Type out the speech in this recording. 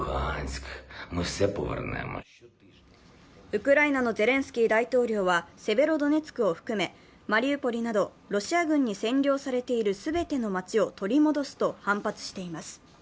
ウクライナのゼレンスキー大統領はセベロドネツクを含めマリウポリなどロシア軍に占領されている全ての街を取り戻すと反発しています。